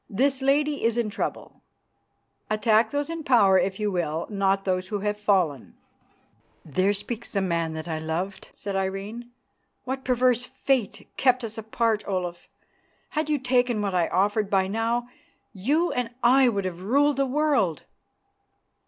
This lady is in trouble; attack those in power, if you will, not those who have fallen." "There speaks the man I loved," said Irene. "What perverse fate kept us apart, Olaf? Had you taken what I offered, by now you and I would have ruled the world."